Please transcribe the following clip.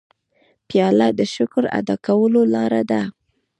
پیاله د شکر ادا کولو لاره ده.